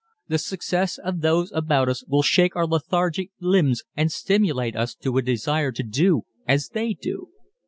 The success of those about us will shake our lethargic limbs and stimulate us to a desire to do as they do.